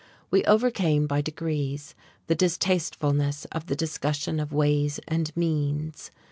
We overcame by degrees the distastefulness of the discussion of ways and means....